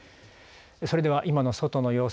それでは今の外の様子